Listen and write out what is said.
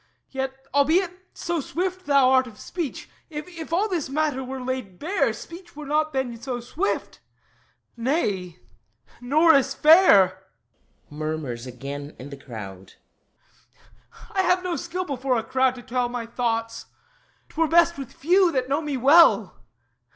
Yet, albeit so swift thou art Of speech, if all this matter were laid bare, Speech were not then so swift; nay, nor so fair... [Murmurs again in the crowd.] I have no skill before a crowd to tell My thoughts. 'Twere best with few, that know me well.